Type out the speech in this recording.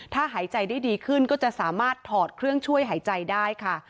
ถ้าหายใจได้ดีขึ้นก็จะสามารถถอดเครื่องช่วยหายใจได้ค่ะ